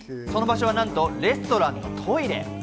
その場所はなんと、レストランのトイレ。